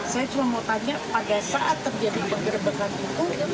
saya cuma mau tanya pada saat terjadi penggerbekan itu